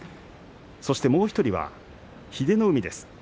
そして、もう１人が英乃海です。